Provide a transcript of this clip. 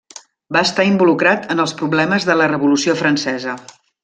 Va estar involucrat en els problemes de la Revolució francesa.